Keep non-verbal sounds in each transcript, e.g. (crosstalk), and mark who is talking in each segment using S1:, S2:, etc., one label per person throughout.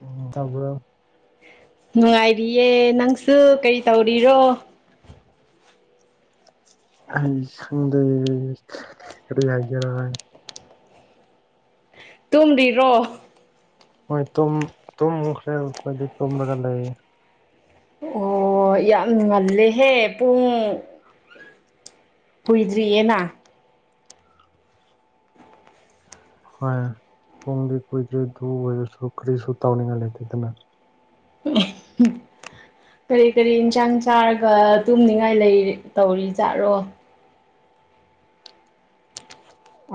S1: ꯎꯝ ꯇꯥꯕ꯭ꯔꯣ
S2: ꯅꯨꯡꯉꯥꯏꯔꯤꯌꯦ ꯅꯪꯁꯨ ꯀꯔꯤ ꯇꯧꯔꯤꯔꯣ (unintelligible)
S1: ꯑꯩꯗ ꯂꯖ (inaudible)
S2: ꯇꯨꯝꯔꯤꯔꯣ
S1: ꯍꯣꯏ ꯇꯨꯝ ꯇꯨꯝꯈ꯭ꯔꯦ ꯈꯣꯏꯗꯤ ꯇꯨꯝꯂꯒ ꯂꯩꯌꯦ
S2: ꯑꯣ ꯌꯥꯝ ꯉꯜꯂꯦꯍꯦ ꯄꯨꯡ ꯀꯨꯏꯗ꯭ꯔꯤꯌꯦꯅ
S1: ꯍꯣꯏ ꯄꯨꯡꯗꯤ ꯀꯨꯏꯗꯔꯤ ꯗꯨ ꯑꯣꯏꯔꯁꯨ ꯀꯔꯤꯁꯨ ꯇꯥꯎꯅꯤꯡꯉꯥꯏ ꯂꯩꯇꯦꯗꯅ
S2: ꯀꯔꯤ ꯀꯔꯤ ꯏꯟꯁꯥꯡ ꯆꯥꯔꯒ ꯇꯨꯝꯅꯤꯡꯉꯥꯏ ꯂꯩꯔꯤ ꯇꯧꯔꯤꯖꯥꯠꯔꯣ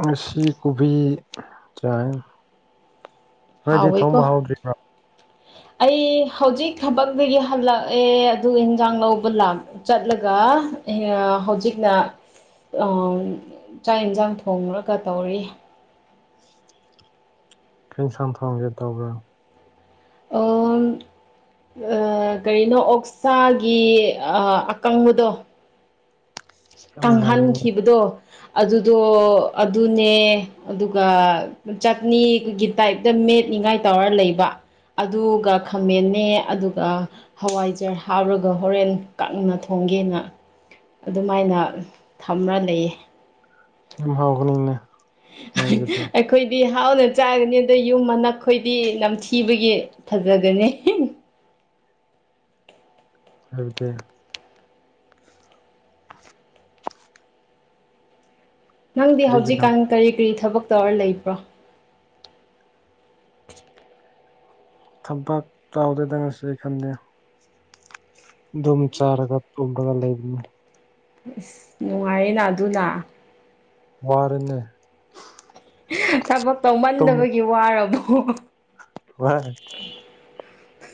S1: ꯉꯁꯤ ꯀꯣꯕꯤ ꯆꯥꯢꯌꯦ
S2: ꯍꯥꯎꯢꯀꯣ ꯑꯩ ꯍꯧꯖꯤꯛ ꯊꯕꯛꯇꯒꯤ ꯍꯜꯂꯛꯑꯦ ꯑꯗꯨꯒ ꯌꯦꯟꯖꯥꯡ ꯂꯧꯕ ꯂꯥꯛ ꯆꯠꯂꯒ ꯑꯩꯅ ꯍꯧꯖꯤꯛꯅ ꯆꯥꯛ ꯌꯦꯟꯁꯥꯡ ꯊꯣꯡꯔꯒ ꯇꯧꯔꯤ
S1: ꯀꯩꯁꯥꯡ ꯊꯣꯡꯒꯦ ꯇꯧꯕ꯭ꯔꯥ
S2: ꯑꯥꯝ ꯀꯔꯤꯅꯣ ꯑꯣꯛꯁꯥꯒꯤ ꯑꯀꯪꯕꯗꯣ
S1: ꯌꯥꯝ ꯅꯨꯡꯉꯥꯏꯔꯦꯅꯦ
S2: ꯀꯪꯍꯟꯈꯤꯕꯗꯣ ꯑꯗꯨꯗꯣ ꯑꯗꯨꯅꯦ ꯑꯗꯨꯒ ꯆꯠꯅꯤꯒꯤ ꯇꯥꯏꯞꯇ ꯃꯦꯠꯅꯤꯡꯉꯥꯏ ꯇꯧꯔ ꯂꯩꯕ ꯑꯗꯨꯒ ꯈꯥꯃꯟꯅꯦ ꯑꯗꯨꯒ ꯍꯋꯥꯏꯖꯔ ꯍꯥꯎꯔꯒ ꯍꯣꯔꯦꯟ ꯀꯪꯅ ꯊꯣꯡꯒꯦꯅ ꯑꯗꯨꯃꯥꯏꯅ ꯊꯝꯃ ꯂꯩꯌꯦ
S1: ꯌꯥꯝ ꯍꯥꯎꯒꯅꯤꯅꯦ ꯅꯣꯏꯒꯤꯗꯤ
S2: (inaudible) ꯑꯩꯈꯣꯏꯗꯤ ꯍꯥꯎꯅ ꯆꯥꯒꯅꯤ ꯑꯗꯩ ꯌꯨꯝ ꯃꯅꯛꯈꯣꯏꯗꯤ ꯅꯝꯊꯤꯕꯒꯤ ꯐꯖꯒꯅꯤ
S1: ꯍꯥꯏꯕꯗꯤ
S2: ꯅꯪꯗꯤ
S1: ꯀꯔꯤꯒꯤꯅꯣ
S2: ꯍꯧꯖꯤꯛꯀꯥꯟ ꯀꯔꯤ ꯀꯔꯤ ꯊꯕꯛ ꯇꯧꯔ ꯂꯩꯕ꯭ꯔꯣ
S1: ꯊꯝꯄꯥꯛ ꯆꯥꯎꯗꯦꯗ ꯉꯁꯤ ꯉꯁꯤ ꯈꯟꯗꯦ ꯑꯗꯨꯝ ꯆꯥꯔꯒ ꯇꯨꯝꯃꯒ ꯂꯩꯕꯅꯦ
S2: ꯑꯁ ꯅꯨꯡꯉꯥꯏꯌꯦꯅ ꯑꯗꯨꯅ
S1: ꯃꯥꯔꯅꯤ
S2: ꯊꯕꯛ ꯇꯧꯃꯟꯗꯕꯒꯤ ꯋꯥꯔꯕꯣ
S1: ꯍ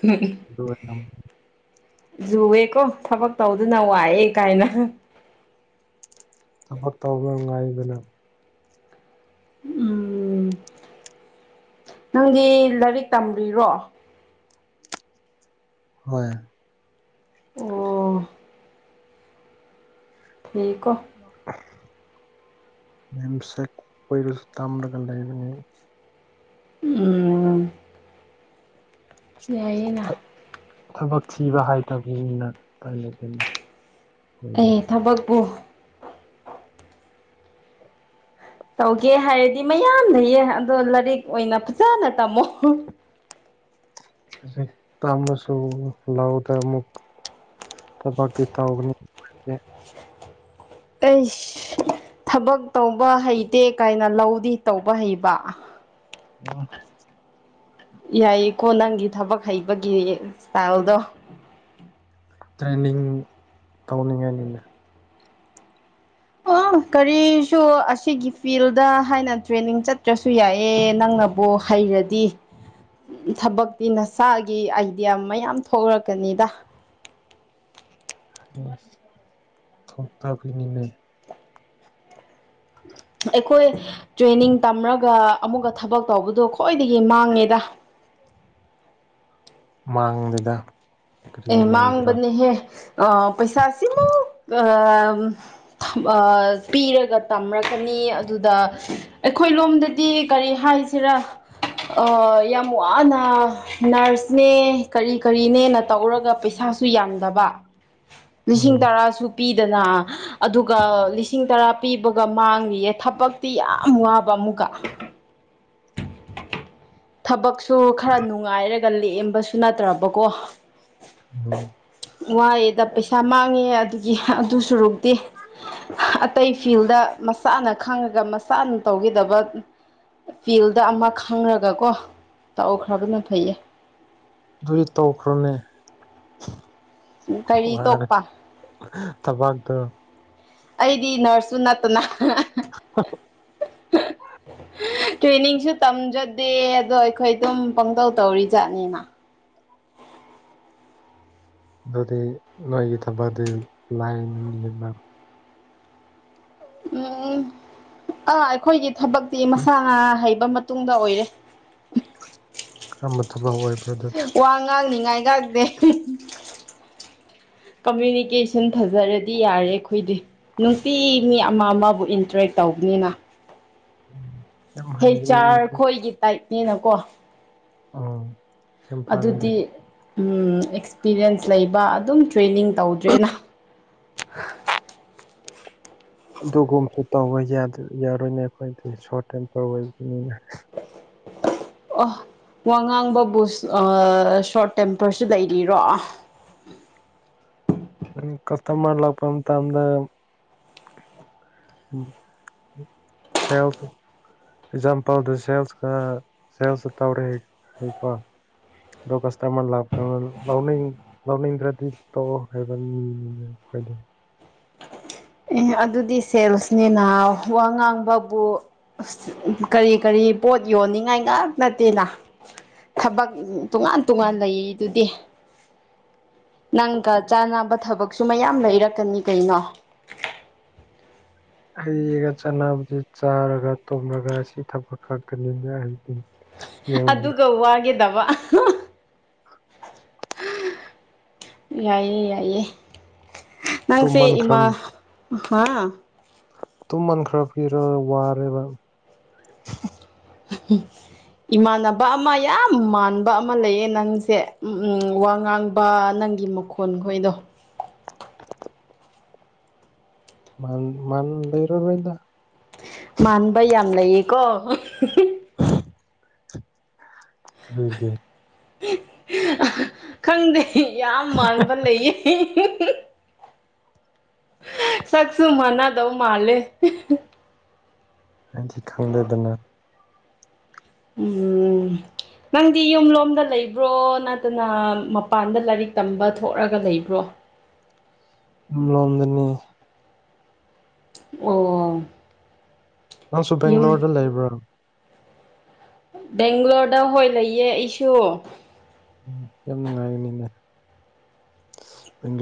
S2: ꯎꯝ
S1: ꯑꯗꯨꯝ
S2: ꯖꯨꯋꯦꯀꯣ ꯊꯕꯛ ꯇꯧꯗꯨꯅ ꯋꯥꯑꯦ ꯀꯥꯏꯅ
S1: ꯊꯕꯛ ꯇꯧꯕ ꯉꯥꯏꯗꯅ
S2: ꯎꯝ ꯅꯪꯒꯤ ꯂꯥꯏꯔꯤꯛ ꯇꯕꯤ꯭ꯔꯣ
S1: ꯍꯣꯏ
S2: ꯑꯣ ꯌꯦꯀꯣ (inaudible)
S1: ꯅꯦꯝꯁꯦꯛ ꯑꯣꯏꯔꯁꯨ ꯇꯝꯂꯒ ꯂꯩꯕꯅꯦ
S2: ꯎꯝ ꯌꯥꯏꯌꯦꯅ
S1: ꯊꯕꯛ ꯊꯤꯕ ꯍꯥꯏꯇꯕꯅꯤꯅ (inaudible) ꯑꯩꯈꯣꯏꯗꯤ
S2: ꯑꯩ ꯊꯕꯛꯄꯨ ꯇꯧꯒꯦ ꯍꯥꯏꯔꯗꯤ ꯃꯌꯥꯝ ꯂꯩꯌꯦ ꯑꯗꯣ ꯂꯥꯏꯔꯤꯛ ꯑꯣꯏꯅ ꯐꯖꯅ ꯇꯝꯃꯣ
S1: ꯍꯧꯖꯤꯛ ꯄꯥꯝꯃꯁꯨ ꯂꯧꯗ ꯑꯃꯨꯛ ꯇꯧꯒꯅꯤ
S2: ꯑꯩꯁ ꯊꯕꯛ ꯇꯧꯕ ꯍꯩꯇꯦ ꯀꯥꯏꯅ ꯂꯧꯗꯤ ꯇꯧꯕ ꯍꯩꯕ
S1: ꯎꯝ
S2: ꯌꯥꯏꯀꯣ ꯅꯪꯒꯤ ꯊꯕꯛ ꯍꯩꯕꯒꯤ ꯁꯇꯥꯏꯜꯗꯣ
S1: ꯇ꯭ꯔꯦꯟꯅꯤꯡ ꯇꯧꯅꯤꯡꯉꯥꯏꯅꯤꯅ
S2: ꯑꯣ ꯀꯔꯤꯁꯨ ꯁꯤꯒꯤ ꯐꯤꯜꯗ ꯍꯥꯏꯅ ꯇ꯭ꯔꯦꯅꯤꯡ ꯆꯠꯇ꯭ꯔꯁꯨ ꯌꯥꯏꯑꯦ ꯅꯪꯅꯕꯨ ꯍꯩꯔꯗꯤ ꯗꯤ ꯊꯕꯛꯇꯤ ꯅꯁꯥꯒꯤ ꯑꯥꯏꯗꯤꯌꯥ ꯃꯌꯥꯝ ꯊꯣꯛꯂꯛꯀꯅꯤꯗ
S1: ꯊꯣꯛꯀꯥ ꯐꯅꯤꯅꯦ (inaudible) (unintelligible)
S2: ꯑꯩꯈꯣꯏ ꯇ꯭ꯔꯦꯅꯤꯡ ꯇꯝꯔꯒ ꯑꯃꯨꯛꯀ ꯊꯕꯛ ꯇꯧꯕꯗꯣ ꯈ꯭ꯋꯥꯏꯗꯒꯤ ꯃꯥꯡꯉꯦꯗ
S1: ꯃꯥꯡꯗꯨꯗ
S2: ꯑꯦ ꯃꯥꯡꯕꯅꯦꯍꯦ ꯑ ꯄꯩꯁꯥꯁꯤꯃꯨꯛ ꯑ ꯄꯤꯔꯒ ꯇꯝꯔꯛꯀꯅꯤ ꯑꯗꯨꯗ ꯑꯩꯈꯣꯏ ꯂꯣꯝꯗꯗꯤ ꯀꯔꯤ ꯍꯥꯏꯁꯤ ꯁꯤꯔ ꯌꯥꯝ ꯋꯥꯅ ꯅꯔꯁꯅꯦ ꯀꯔꯤ ꯀꯔꯤꯅꯦ ꯇꯧꯔꯒ ꯄꯩꯁꯥꯁꯨ ꯌꯥꯝꯗꯕ ꯂꯤꯁꯤꯡ
S1: ꯎꯝ
S2: ꯇꯔꯥꯁꯨ ꯄꯤꯗꯅ ꯑꯗꯨꯒ ꯂꯤꯁꯤꯡ ꯇꯔꯥ ꯄꯤꯕꯒ ꯃꯥꯡꯂꯤꯌꯦ ꯊꯕꯛꯇꯤ ꯌꯥꯝ ꯋꯥꯕ ꯑꯃꯨꯛꯀ ꯊꯕꯛꯁꯨ ꯈꯔ ꯅꯨꯡꯉꯥꯏꯔꯒ ꯂꯦꯛꯑꯝꯕꯁꯨ ꯅꯠꯇ꯭ꯔꯕꯀꯣ
S1: ꯑꯣ
S2: ꯋꯥꯑꯦꯗ ꯄꯩꯁꯥ ꯃꯥꯡꯉꯦ ꯑꯗꯨꯒꯤ ꯑꯗꯨ ꯁꯨꯔꯨꯛꯇꯦ ꯑꯇꯩ ꯐꯤꯜꯗ ꯃꯁꯥꯅ ꯈꯪꯉꯒ ꯃꯁꯥꯅ ꯇꯧꯈꯤꯗꯕ ꯐꯤꯜꯗ ꯑꯃ ꯈꯪꯔꯒꯀꯣ ꯇꯧꯈ꯭ꯔꯕꯅ ꯐꯩꯌꯦ
S1: ꯑꯗꯨꯏ ꯇꯧꯈ꯭ꯔꯣꯅꯦ
S2: ꯀꯔꯤ
S1: ꯋꯥꯔ
S2: ꯇꯣꯛꯄ
S1: ꯊꯕꯥꯇꯣ
S2: ꯑꯩꯗꯤ ꯅꯔꯁꯁꯨ ꯅꯠꯇꯅ
S1: ꯑ (unintelligible) (inaudible)
S2: ꯇ꯭ꯔꯦꯅꯤꯡꯁꯨ ꯇꯝꯖꯗꯦ ꯑꯗꯣ ꯑꯩꯈꯣꯏ ꯑꯗꯨꯝ ꯄꯪꯇꯧ ꯇꯧꯔꯤ ꯖꯥꯠꯅꯦꯃ
S1: ꯑꯗꯨꯗꯤ ꯅꯣꯏꯒꯤ ꯊꯕꯗꯤ ꯂꯥꯏꯟ ꯌꯦꯕ
S2: ꯎꯝ ꯑꯥ ꯑꯩꯈꯣꯏꯒꯤ ꯊꯕꯛꯇꯤ ꯃꯁꯥ ꯉ ꯍꯩꯕ ꯃꯇꯨꯡꯗ ꯑꯣꯏꯔꯦ
S1: ꯀꯔꯝꯕ ꯊꯕꯛ ꯑꯣꯏꯕ
S2: ꯋꯥ ꯉꯥꯡꯅꯤꯉꯥꯏꯒ ꯀꯃꯨꯅꯤꯀꯦꯁꯟ ꯐꯖꯔꯗꯤ ꯌꯥꯔꯦ ꯑꯩꯈꯣꯏꯗꯤ ꯅꯨꯡꯄꯤꯤ ꯃꯤ ꯑꯃ ꯑꯃꯕꯨ ꯏꯟꯇꯔꯦꯛ ꯇꯧꯕꯅꯤꯅ
S1: ꯎꯝ (unintelligible) (inaudible)
S2: ꯍꯦ ꯆꯥꯔ ꯈꯣꯏꯒꯤ ꯇꯥꯏꯞꯅꯤꯅꯀꯣ
S1: ꯑꯣ
S2: ꯑꯗꯨꯗꯤ ꯑꯦꯛꯁꯄꯤꯔꯤꯌꯦꯟꯁ ꯂꯩꯕ ꯑꯗꯨꯝ ꯇ꯭ꯔꯦꯅꯤꯡ ꯇꯧꯗ꯭ꯔꯦꯅ
S1: (unintelligible) ꯑꯗꯨꯒꯨꯝꯕꯁꯨ ꯇꯧꯕ ꯌꯥꯔꯣꯏꯅꯦ ꯑꯩꯈꯣꯏꯗꯤ ꯁꯣꯔ꯭ꯇ ꯇꯥꯝꯄꯔ ꯑꯣꯏꯕꯅꯤꯅ
S2: ꯑꯣ ꯋꯥ ꯉꯥꯡꯕꯕꯨꯁ ꯁꯣꯔꯠ ꯇꯦꯝꯄꯔꯁꯨ ꯂꯩꯔꯤꯔꯣ
S1: ꯀꯁꯇꯃꯔ ꯂꯥꯛꯄ ꯃꯇꯝꯗ ꯎꯝ ꯁꯦꯜ꯭ꯁ ꯑꯦꯛꯖꯥꯝꯄꯜꯗ ꯁꯦꯜꯁꯀ ꯁꯦꯜꯁ ꯇꯧꯔꯦꯀꯣ ꯗꯀꯥꯁꯇꯥ ꯃꯥꯟ ꯂ ꯂꯥꯎꯅ ꯂꯧꯅꯤꯡꯗ꯭ꯔꯗꯤ ꯇꯧ ꯍꯥꯏꯕ ꯃꯤꯅꯦ ꯑꯩꯈꯣꯏꯗ
S2: ꯑꯦ ꯑꯗꯨꯗꯤ ꯁꯦꯜꯁꯅꯤꯅꯍ ꯋꯥ ꯉꯥꯡꯕꯕꯨ ꯑ ꯀꯔꯤ ꯀꯔꯤ ꯄꯣꯠ ꯌꯣꯟꯅꯤꯡꯉꯥꯏ ꯉꯥꯛ ꯅꯠꯇꯦꯅ ꯊꯕꯛ ꯇꯣꯉꯥꯟ ꯇꯣꯉꯥꯟ ꯂꯩ ꯑꯗꯨꯗꯤ ꯅꯪꯒ ꯆꯥꯅꯕ ꯊꯕꯛꯁꯨ ꯃꯌꯥꯝ ꯂꯩꯔꯛꯀꯅꯤ ꯀꯩꯅꯣ
S1: ꯍꯩꯒ ꯆꯥꯅꯕꯗꯨ ꯆꯥꯔꯒ ꯇꯨꯝꯂꯒ ꯁꯤ ꯊꯕꯛ ꯈꯛꯇꯅꯤꯅꯦ ꯑꯩꯗꯤꯅꯤ
S2: ꯑꯗꯨꯒ ꯋꯥꯒꯗꯕ
S1: (unintelligible)
S2: ꯌꯥꯏꯌꯦ ꯌꯥꯏꯌꯦ ꯅꯪꯁꯦ
S1: ꯇꯨꯝꯃꯟꯈ꯭ꯔ
S2: ꯏꯃꯥ ꯍꯥꯥ
S1: ꯇꯨꯝꯃꯟ ꯈꯔ ꯄꯤꯔ ꯋꯥꯔꯦꯕ
S2: (unintelligible) ꯏꯃꯥꯟꯅꯕ ꯑꯃ ꯌꯥꯝ ꯃꯥꯟꯕ ꯑꯃ ꯂꯩꯌꯦ ꯅꯪꯁꯦ ꯎ ꯋꯥ ꯉꯥꯡꯕ ꯅꯪꯒꯤ ꯈꯣꯟ ꯈꯣꯏꯗꯣ
S1: ꯃ ꯃꯥꯟ ꯂꯩꯩꯔ ꯑꯣꯏꯗ
S2: ꯃꯥꯟꯕ ꯌꯥꯝ ꯂꯩꯌꯦꯀꯣ (unintelligible)
S1: (unintelligible) ꯀꯔꯤꯒꯤ
S2: ꯈꯪꯗꯦ ꯌꯥꯝ ꯃꯥꯟꯕ ꯂꯩꯌꯦ ꯁꯛꯁꯨ ꯃꯅꯥꯗꯧ ꯃꯥꯂꯦ
S1: ꯍꯥꯏꯗꯤ ꯈꯪꯗꯗꯅ
S2: ꯎꯝ ꯅꯪꯗꯤ ꯌꯨꯝꯂꯣꯝꯗ ꯂꯩꯕ꯭ꯔꯣ ꯅꯠꯇꯅ ꯃꯄꯥꯟꯗ ꯂꯥꯏꯔꯤꯛ ꯇꯝꯕ ꯊꯣꯛꯂꯒ ꯂꯩꯕ꯭ꯔꯣ
S1: ꯌꯨꯝꯂꯣꯝꯗꯅꯤ
S2: ꯑꯣ
S1: ꯅꯪꯁꯨꯨ
S2: ꯌꯨꯝ
S1: ꯕꯦꯡꯒ꯭ꯂꯣꯔꯗ ꯂꯩꯕ꯭ꯔꯣ
S2: ꯕꯦꯡꯒ꯭ꯂꯣꯔꯗ ꯍꯣꯏ ꯂꯩꯌꯦ ꯑꯩꯁꯨ
S1: ꯎꯝ ꯌꯥꯝ ꯅꯨꯡꯉꯥꯏꯒꯅꯤꯅꯦ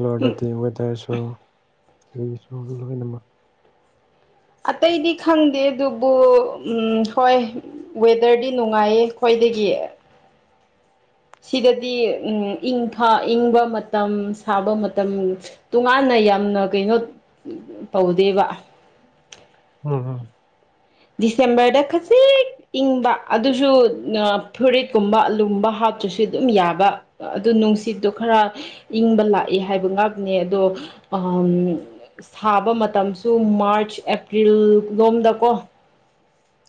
S1: ꯋꯥꯔꯗ
S2: ꯎꯝ
S1: ꯇꯉ ꯇꯔꯁꯨꯁꯨ
S2: ꯑꯇꯩꯗꯤ ꯈꯪꯗꯦ ꯑꯗꯨꯕꯨ ꯍꯣꯏ ꯋꯦꯗꯔꯗꯤ ꯅꯨꯡꯉꯥꯏꯌꯦ ꯈꯣꯏꯗꯒꯤ ꯁꯤꯗꯗꯤ ꯏꯪ ꯏꯪꯕ ꯃꯇꯝ ꯁꯥꯕ ꯃꯇꯝ ꯇꯣꯉꯥꯟꯅ ꯌꯥꯝꯅ ꯀꯩꯅꯣ ꯇꯧꯗꯦꯕ
S1: ꯎꯝ
S2: ꯗꯤꯁꯦꯝꯕꯔꯗ ꯈꯖꯤꯛ ꯏꯪꯕ ꯑꯗꯨꯁꯨ ꯐꯨꯔꯤꯠꯀꯨꯝꯕ ꯑꯂꯨꯝꯕ ꯍꯥ ꯨꯁꯨ ꯑꯗꯨꯝ ꯌꯥꯕ ꯑꯗꯨ ꯅꯨꯡꯁꯤꯠꯇꯣ ꯈꯔ ꯏꯪꯕ ꯂꯥꯛꯏ ꯍꯥꯏꯕ ꯉꯥꯛꯅꯦ ꯑꯗꯣ ꯎ ꯁꯥꯕ ꯃꯇꯝꯁꯨ ꯃꯥ꯭ꯔꯁ ꯑꯦꯄ꯭ꯔꯤꯜ ꯂꯣꯝꯗꯀꯣ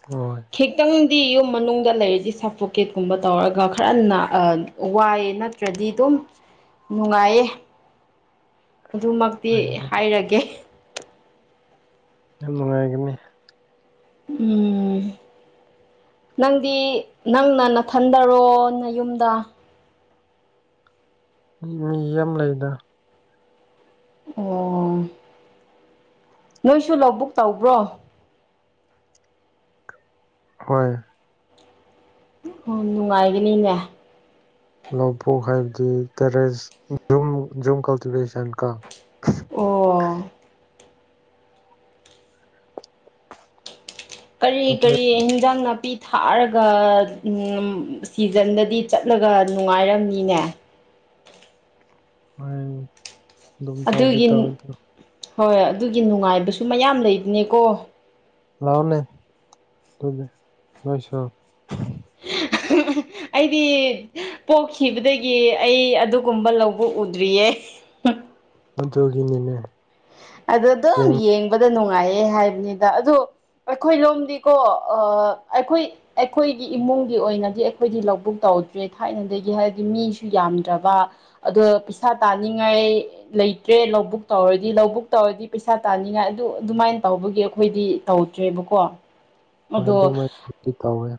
S1: ꯍꯣꯏ
S2: ꯈꯤꯇꯪꯗꯤ ꯌꯨꯝ ꯃꯅꯨꯡꯗ ꯂꯩꯔꯤꯗꯤ ꯁꯥꯄꯣꯀꯦꯠꯀꯨꯝꯕ ꯇꯧꯔꯒ ꯈꯔ ꯋꯥꯏ ꯅꯠꯇ꯭ꯔꯗꯤ ꯑꯗꯨꯝ ꯅꯨꯡꯉꯥꯏꯌꯦ ꯑꯗꯨꯃꯛꯇꯤ
S1: ꯍꯣꯏ
S2: ꯍꯥꯏꯔꯒꯦ
S1: ꯌꯥꯝ ꯅꯨꯡꯉꯥꯏꯒꯅꯤ
S2: ꯎꯝ ꯅꯪꯗꯤ ꯅꯪꯅ ꯅꯊꯟꯗꯔꯣꯅ ꯌꯨꯝꯗ
S1: ꯃꯤ ꯌꯝ ꯂꯩꯗ
S2: ꯑꯣ.. ꯅꯣꯏꯁꯨ ꯂꯧꯕꯕꯨꯛ ꯇꯧꯕ꯭ꯔꯣ
S1: ꯍꯣꯏ
S2: ꯎ ꯅꯨꯡꯉꯥꯏꯒꯅꯤꯅꯦ
S1: ꯂꯄꯣꯛ ꯍꯥꯏꯕꯗꯤ ꯇꯦꯔꯦꯁ ꯨꯝ ꯖꯨꯝ ꯀꯜꯇꯤꯚꯦꯁꯟ ꯀ
S2: ꯑꯣ ꯀꯔꯤ
S1: ꯃꯇꯩ
S2: ꯀꯔꯤ ꯍꯤꯟꯖꯥꯡ ꯅꯥꯄꯤ ꯊꯥꯔꯒ ꯁꯤꯖꯟꯗꯗꯤ ꯆꯠꯂꯒ ꯅꯨꯡꯉꯥꯏꯔꯝꯅꯤꯅꯦ
S1: ꯍꯣꯏ ꯑꯗꯨꯝ ꯇꯧꯕꯗꯤ
S2: ꯑꯗꯨꯒꯤ
S1: ꯇꯧꯋꯦ ꯑꯗꯨ
S2: ꯍꯣꯏ ꯑꯗꯨꯒꯤ ꯅꯨꯡꯉꯥꯏꯕꯁꯨ ꯃꯌꯥꯝ ꯂꯩꯗꯨꯅꯦꯀꯣ
S1: ꯂꯑꯣꯅꯦ ꯑꯗꯄꯗꯤ ꯂꯣꯏꯁ
S2: (unintelligible) (inaudible) ꯑꯩꯗꯤ ꯄꯣꯛꯈꯤꯕꯗꯒꯤ ꯑꯩ ꯑꯗꯨꯒꯨꯝꯕ ꯂꯧꯕ ꯎꯗ꯭ꯔꯤꯌꯦ
S1: ꯃꯗꯨꯒꯤꯅꯤꯅꯦ
S2: ꯑꯗ ꯑꯗꯨꯝ ꯌꯦꯡꯕꯗ ꯅꯨꯡꯉꯥꯏꯌꯦ ꯍꯥꯏꯕꯅꯤꯗ ꯑꯗ ꯨ ꯑꯩꯈꯣꯏ ꯂꯣꯝꯗꯤꯀꯣ ꯑꯩꯈꯣꯏ ꯑꯩꯈꯣꯏꯒꯤ ꯏꯃꯨꯡꯒꯤ ꯑꯣꯏꯅꯗꯤ ꯑꯩꯈꯣꯏꯗꯤ ꯂꯧꯕꯨꯛ ꯇꯧꯗ꯭ꯔꯦ ꯊꯥꯏꯅꯗꯒꯤ ꯍꯥꯏꯔꯗꯤ ꯃꯤꯁꯨ ꯌꯥꯝꯗ꯭ꯔꯕ ꯑꯗꯣ ꯄꯩꯁꯥ ꯇꯥꯟꯅꯤꯡꯉꯥꯏ ꯂꯩꯇ꯭ꯔꯦ ꯂꯧꯕꯨꯛ ꯇꯧꯔꯗꯤ ꯂꯧꯕꯨꯛ ꯇꯧꯔꯗꯤ ꯄꯩꯁꯥ ꯇꯥꯅꯤꯡꯉꯥꯏ ꯑꯗꯨ ꯑꯗꯨꯃꯥꯏꯅ ꯇꯧꯕꯒꯤ ꯑꯩꯈꯣꯏꯗꯤ ꯇꯧꯗ꯭ꯔꯦꯕꯀꯣ
S1: ꯍꯣꯏ
S2: ꯑꯗꯣ
S1: ꯑꯗꯨꯃꯥꯏꯅꯗꯤ ꯇꯧꯋꯦ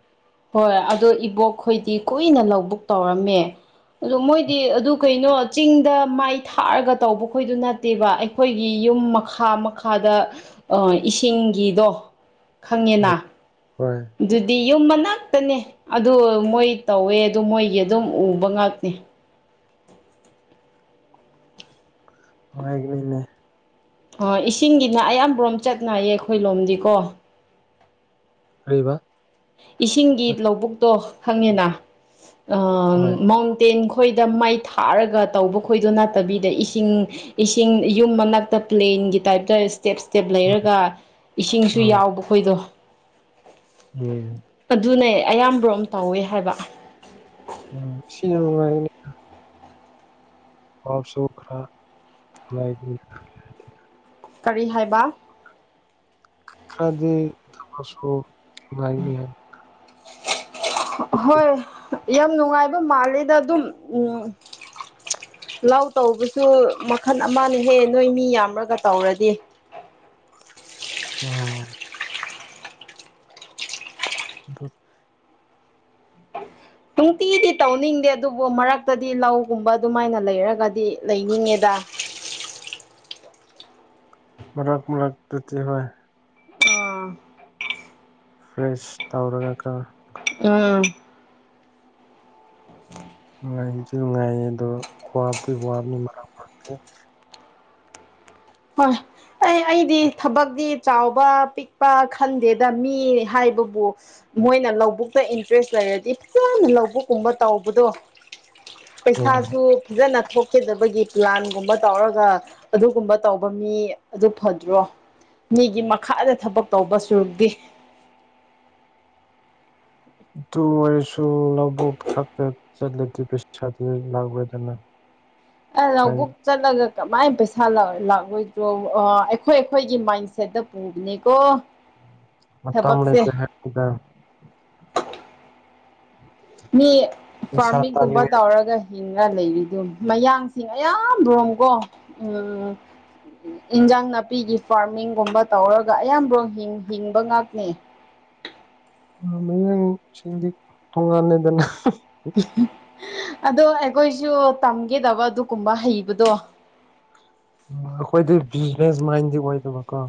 S2: ꯍꯣꯏ ꯑꯗꯣ ꯏꯕꯣꯛꯈꯣꯏꯗꯤ ꯀꯨꯏꯅ ꯂꯧꯕꯨꯛ ꯇꯧꯔꯝꯃꯦ ꯑꯗꯣ ꯃꯣꯏꯗꯤ ꯑꯗꯨ ꯀꯩꯅꯣ ꯆꯤꯡꯗ ꯃꯥꯏ ꯊꯥꯔꯒ ꯇꯧꯕꯈꯣꯏꯗꯨ ꯅꯠꯇꯦꯕ ꯑꯩꯈꯣꯏ ꯑꯩꯈꯣꯏꯒꯤ ꯌꯨꯝ ꯃꯈꯥ ꯃꯈꯥꯗ ꯏꯁꯤꯡꯒꯤꯗꯣ ꯈꯪꯉꯦꯅ
S1: ꯍꯣꯏ
S2: ꯑꯗꯨꯗꯤ ꯌꯨꯝ ꯃꯅꯥꯛꯇꯅꯦ ꯑꯗꯨ ꯃꯣꯏ ꯇꯧꯋꯦ ꯑꯗꯨ ꯃꯣꯏꯒꯤ ꯑꯗꯨꯝ ꯎꯕ ꯉꯥꯛꯅꯤ
S1: ꯅꯨꯡꯉꯥꯏꯒꯅꯤꯅꯦ
S2: ꯏꯁꯤꯡꯒꯤꯅ ꯑꯌꯥꯝꯕ꯭ꯔꯣꯝ ꯆꯠꯅꯩꯌꯦ ꯑꯩꯈꯣꯏ ꯂꯣꯝꯗꯤꯀꯣ
S1: ꯀꯩꯕ
S2: ꯏꯁꯤꯡꯒꯤ ꯂꯧꯕꯨꯛꯇꯣ ꯈꯪꯉꯦꯅ ꯑꯥ
S1: ꯍꯣꯏ
S2: ꯃꯥꯎꯟ ꯇꯦꯟ ꯈꯣꯏꯗ ꯃꯩ ꯊꯥꯔꯒ ꯇꯧꯕ ꯈꯣꯏꯗꯣ ꯅꯠꯇꯕꯤꯗ ꯏꯁꯤꯡ ꯏꯁꯤꯡ ꯌꯨꯝ ꯃꯅꯥꯛꯇ ꯄ꯭ꯂꯦꯟꯒꯤ ꯇꯥꯏꯞꯇ ꯁ꯭ꯇꯦꯞ ꯁ꯭ꯇꯦꯞ
S1: ꯍꯣꯏ
S2: ꯂꯩꯔꯒ ꯏꯁꯤꯡꯁꯨ
S1: ꯎꯝ
S2: ꯌꯥꯎꯕ ꯈꯣꯏꯗꯣ
S1: ꯎꯝ
S2: ꯑꯗꯨꯅꯦ ꯑꯌꯥꯝꯕ꯭ꯔꯣꯝ ꯇꯧꯋꯦ ꯍꯥꯏꯕ
S1: ꯎꯝ ꯁꯤꯅ ꯅꯨꯡꯉꯥꯏꯒꯅꯤ ꯋꯔꯁꯨ ꯈꯔꯥ ꯅꯨꯡꯉꯥꯏꯕꯅꯦ
S2: ꯀꯔꯤ ꯍꯥꯏꯕ
S1: ꯈꯪꯗꯦ ꯊꯕꯛꯁꯨ ꯅꯨꯡꯉꯏꯅꯤ ꯍꯥꯏ
S2: ꯍꯣꯏ ꯌꯥꯝ ꯅꯨꯡꯉꯥꯏꯕ ꯃꯥꯜꯂꯦꯗ ꯑꯗꯨꯝ ꯎꯝ ꯂꯥꯎ ꯇꯧꯕꯁꯨ ꯃꯈꯜ ꯑꯃꯅ ꯍꯦꯛ ꯅꯣꯏ ꯃꯤ ꯌꯥꯝꯃꯒ ꯇꯧꯔꯗꯤ
S1: ꯎꯝ ꯑꯗꯣ
S2: (inaudible) ꯅꯨꯡꯇꯤꯗꯤ ꯇꯧꯅꯤꯡꯗꯦ ꯑꯗꯨꯕꯨ ꯃꯔꯛꯇꯗꯤ ꯂꯧꯒꯨꯝꯕ ꯑꯗꯨꯃꯥꯏꯅ ꯂꯩꯔꯒꯗꯤ ꯂꯩꯅꯤꯡꯉꯦꯗ
S1: ꯃꯔꯥꯛ ꯃꯣꯔꯥꯛ ꯇꯇ ꯍ
S2: ꯑꯥ
S1: ꯐ꯭ꯔꯦꯁ ꯇꯧꯔꯗꯀ
S2: ꯎꯝ (inaudible)
S1: ꯅꯨꯡꯉꯥꯏꯁꯨ ꯅꯨꯡꯉꯥꯏꯌꯦ ꯑꯗꯣ ꯈ꯭ꯕꯗꯤ ꯋꯥꯕꯅꯤ ꯃꯔꯛ ꯃꯔꯛꯇꯦ
S2: ꯍꯣꯏ ꯑꯦ ꯑꯩꯗꯤ ꯊꯕꯛꯇꯤ ꯆꯥꯎꯕ ꯄꯤꯛꯄ ꯈꯟꯗꯦꯗ ꯃꯤ ꯍꯥꯏꯕꯕꯨ ꯃꯣꯏꯅ ꯂꯧꯕꯨꯛꯇ ꯏꯟꯇꯔꯦꯁ ꯂꯩꯔꯗꯤ ꯐꯖꯅ ꯂꯧꯕꯨꯛꯀꯨꯝꯕ ꯇꯧꯕꯗꯣ
S1: ꯑꯗꯨ
S2: ꯄꯩꯁꯥꯁꯨ ꯐꯖꯅ ꯊꯣꯛꯀꯗꯕꯒꯤ ꯄ꯭ꯂꯥꯟꯒꯨꯝꯕ ꯇꯧꯔꯒ ꯑꯗꯨꯒꯨꯝꯕ ꯇꯧꯕ ꯃꯤ ꯑꯗꯨ ꯐꯗ꯭ꯔꯣ ꯃꯤꯒꯤ ꯃꯈꯥꯗ ꯊꯕꯛ ꯇꯧꯕ ꯁꯔꯨꯛꯄꯨꯘꯤ
S1: ꯑꯘꯨ ꯑꯣꯏꯔꯁꯨ ꯂꯧꯕꯨꯛ ꯈꯛꯇꯥ ꯆꯠꯂ ꯘꯤ ꯄꯩꯁꯗꯤ ꯂꯥꯛꯑꯣꯏꯗꯅ
S2: ꯑ ꯂꯧꯕꯨꯛ ꯆꯠꯂꯒ ꯀꯃꯥꯏꯅ ꯄꯩꯁꯥ ꯂꯥꯛꯂꯣꯏꯗ꯭ꯔꯣ ꯑꯩꯈꯣꯏ ꯑꯩꯈꯣꯏꯒꯤ ꯃꯥꯏꯟꯁꯦꯠꯇ ꯄꯨꯕꯅꯦꯀꯣ
S1: ꯃꯇꯝ
S2: ꯊꯕꯛꯁꯦ
S1: ꯂꯩꯇꯦ ꯍꯥꯏꯕꯅꯤꯘ
S2: ꯃꯤ ꯐꯥꯔꯃꯤꯡꯒꯨꯝꯕ
S1: ꯇꯥꯅꯤꯡꯉꯥꯏ
S2: ꯇꯧꯔꯒ ꯍꯤꯡꯉ ꯂꯩꯔꯤꯗꯨ ꯃꯌꯥꯡꯁꯤꯡ ꯑꯌꯥꯝꯕ꯭ꯔꯣꯝꯀꯣ ꯎꯝ ꯎꯝ ꯏꯟꯖꯥꯡ ꯅꯥꯄꯤꯒꯤ ꯐꯥꯔꯃꯤꯡꯒꯨꯝꯕ ꯇꯧꯔꯒ ꯑꯌꯥꯝꯕꯣ ꯍꯤꯡꯕ ꯉꯥꯛꯅꯤ
S1: ꯃꯌꯦꯡ ꯁꯤꯗꯤ ꯇꯣꯉꯥꯟꯅꯗꯅ
S2: ꯑꯗꯣ ꯑꯩꯈꯣꯏꯁꯨ ꯇꯝꯒꯦꯗꯕ ꯑꯗꯨꯒꯨꯝꯕ ꯍꯩꯕꯗꯣ
S1: ꯎ ꯑꯩꯈꯣꯏꯗꯤ ꯕꯤꯖꯤꯅꯦꯁ ꯃꯥꯏꯟꯗꯤ ꯑꯣꯏꯗꯕꯀꯣ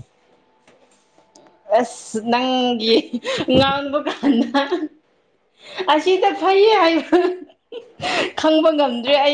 S2: ꯑꯁ ꯅꯪꯒꯤ ꯉꯥꯡꯕꯒ ꯑꯁꯤꯗ ꯐꯩꯌꯦ ꯍꯥꯏꯕ ꯈꯪꯕ ꯉꯝ ꯑꯗꯨ ꯑꯩ